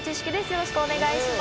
よろしくお願いします。